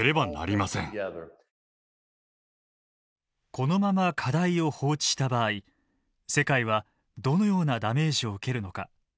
このまま課題を放置した場合世界はどのようなダメージを受けるのか。